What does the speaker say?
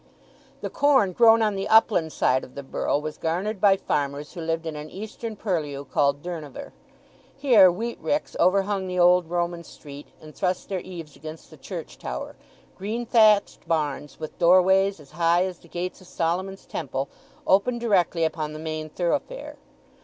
The corn grown on the upland side of the borough was garnered by farmers who lived in an eastern purlieu called Durnover. Here wheat ricks overhung the old Roman street, and thrust their eaves against the church tower; green thatched barns, with doorways as high as the gates of Solomon's temple, opened directly upon the main thoroughfare.